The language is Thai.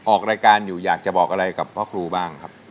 ออกรายการอยู่อยากจะบอกอะไรกับพ่อครูบ้างครับ